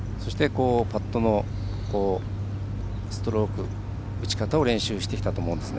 パットのストローク打ち方を練習してきたと思うんですね。